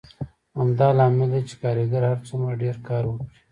همدا لامل دی چې کارګر هر څومره ډېر کار وکړي